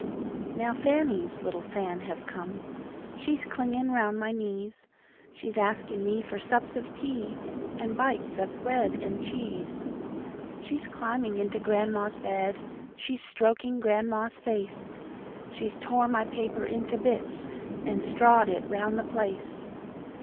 Now FANNY'S little Fan have come! She's clingin' round my knees, She's asking me for sups of tea, and bites of bread and cheese. She's climbing into grandma's bed, she's stroking grandma's face. She's tore my paper into bits and strawed it round the place.